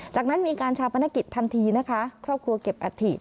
จากนั้นมีการชาปนกิจทันทีนะคะครอบครัวเก็บอัฐิ